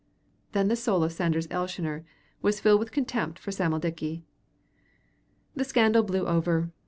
Then the soul of Sanders Elshioner was filled with contempt for Sam'l Dickie. The scandal blew over.